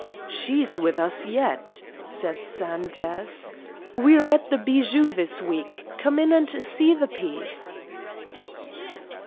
"She's with us yet," said Sanders. "We're at the Bijou this week. Come in and see the piece."